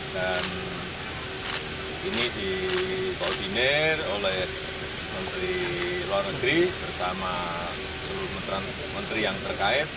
dan ini dipordinir oleh menteri luar negeri bersama seluruh menteri yang terkait